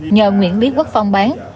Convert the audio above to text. nhờ nguyễn biến quốc phong bán